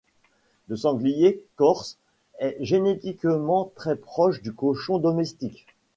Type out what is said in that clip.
Le sanglier corse est génétiquement très proche du cochon domestique.